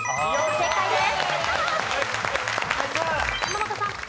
正解です。